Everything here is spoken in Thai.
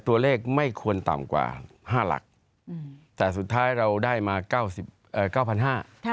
ตัวเลขไม่ควรต่ำกว่าห้าหลักอืมแต่สุดท้ายเราได้มาเก้าสิบเอ่อเก้าพันห้าค่ะ